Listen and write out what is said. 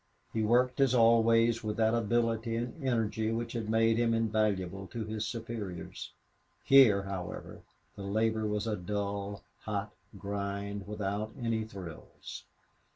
He worked, as always, with that ability and energy which had made him invaluable to his superiors. Here, however, the labor was a dull, hot grind, without any thrills.